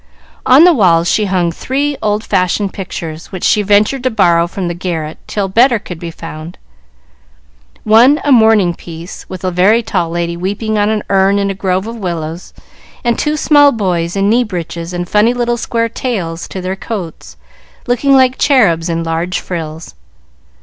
On the walls she hung three old fashioned pictures, which she ventured to borrow from the garret till better could be found. One a mourning piece, with a very tall lady weeping on an urn in a grove of willows, and two small boys in knee breeches and funny little square tails to their coats, looking like cherubs in large frills.